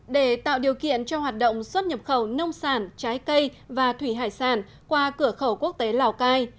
để tạo điều kiện cho hoạt động xuất nhập khẩu nông sản trái cây và thủy hải sản qua cửa khẩu quốc tế lào cai